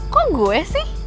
kok gue sih